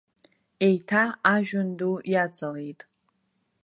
Еиҭа ажәҩан ду иаҵалеит.